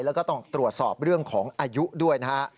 แล้วก็ต้องตรวจสอบเรื่องของอายุด้วยนะฮะ